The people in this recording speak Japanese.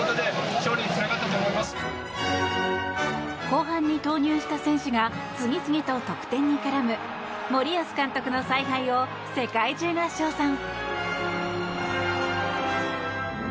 後半に投入した選手が次々と得点に絡む森保監督の采配を世界中が称賛。